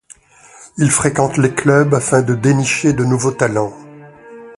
Il fréquente les clubs afin de dénicher de nouveaux talents.